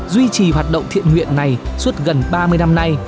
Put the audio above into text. duy trì hoạt động thiện nguyện này suốt gần ba mươi năm nay